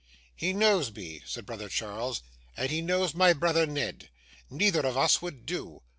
'He knows me,' said brother Charles, 'and he knows my brother Ned. Neither of us would do.